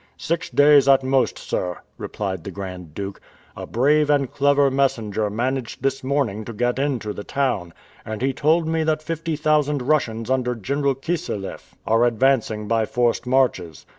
"Six days at most, sir," replied the Grand Duke. "A brave and clever messenger managed this morning to get into the town, and he told me that fifty thousand Russians under General Kisselef, are advancing by forced marches.